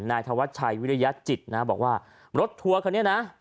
นายธวัชชัยวิริยจิตนะบอกว่ารถทัวร์คันนี้นะ